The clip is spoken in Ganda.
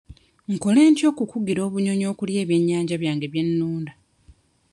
Nkole ntya okukugira obunyonyi okulya ebyennyanja byange bye nnunda?